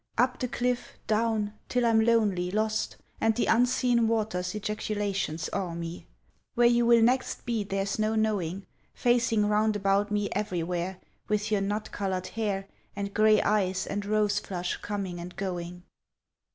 Up the cliff, down, till I'm lonely, lost, And the unseen waters' ejaculations awe me. Where you will next be there's no knowing, Facing round about me everywhere, With your nut coloured hair, And gray eyes, and rose flush coming and going.